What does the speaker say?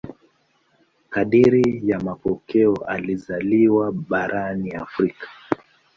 Kadiri ya mapokeo alizaliwa barani Afrika.